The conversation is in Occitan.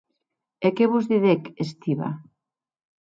E qué vos didec Stiva?